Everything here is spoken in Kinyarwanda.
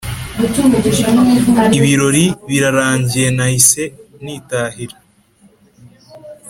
ibirori birarangiye nahise nitahira.